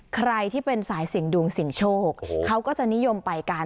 ใครที่เป็นสายสิ่งดุงสิ่งโชคเขาก็จะนิยมไปการ